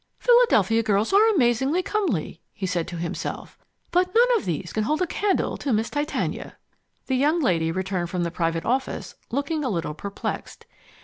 "Philadelphia girls are amazingly comely," he said to himself, "but none of these can hold a candle to Miss Titania." The young lady returned from the private office looking a little perplexed.